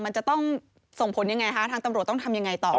มันจะต้องส่งผลอย่างไรทางตำรวจต้องทำอย่างไรต่อ